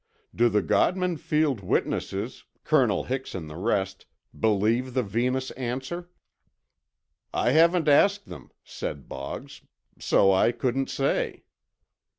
"Do the Godman Field witnesses—Colonel Hix and the rest—believe the Venus answer?" "I haven't asked them," said Boggs, "so I couldn't say."